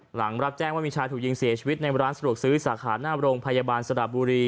หลังรับแจ้งว่ามีชายถูกยิงเสียชีวิตในร้านสะดวกซื้อสาขาหน้าโรงพยาบาลสระบุรี